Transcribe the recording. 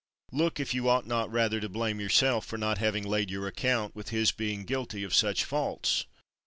Look if you ought not rather to blame yourself for not having laid your account with his being guilty of such faults.